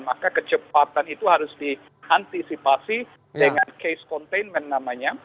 maka kecepatan itu harus diantisipasi dengan case containment namanya